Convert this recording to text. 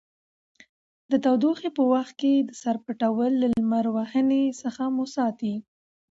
د تودوخې په وخت کې د سر پټول له لمر وهنې څخه مو ساتي.